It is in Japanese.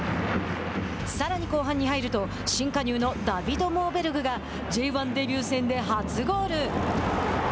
さらに後半に入ると新加入のダヴィド・モーベルグがＪ１デビュー戦で初ゴール。